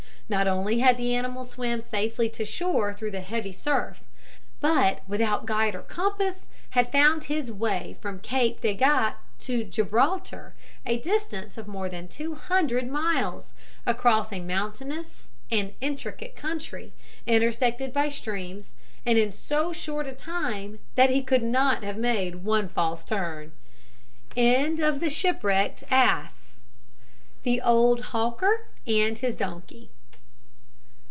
Not only had the animal swam safely to shore through the heavy surf, but, without guide or compass, had found his way from Cape de Gat to Gibraltar, a distance of more than two hundred miles, across a mountainous and intricate country, intersected by streams, and in so short a time that he could not have made one false turn. THE OLD HAWKER AND HIS DONKEY.